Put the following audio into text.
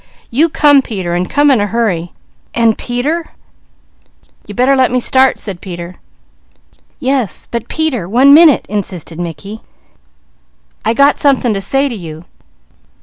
You come Peter, and come in a hurry, and Peter " "You better let me start " said Peter. "Yes, but Peter, one minute," insisted Mickey. "I got something to say to you.